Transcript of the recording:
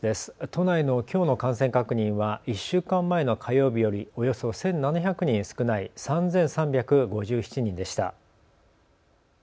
都内のきょうの感染確認は１週間前の火曜日よりおよそ１７００人少ない３３５７人でした。